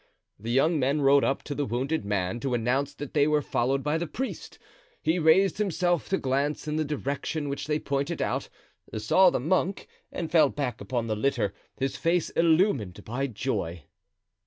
The young men rode up to the wounded man to announce that they were followed by the priest. He raised himself to glance in the direction which they pointed out, saw the monk, and fell back upon the litter, his face illumined by joy.